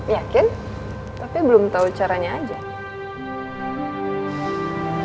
yakin tapi belum tahu caranya aja